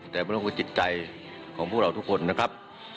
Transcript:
แต่มันต้องคือจิตใจของพวกเราทุกคนนะครับ